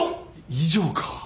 以上か。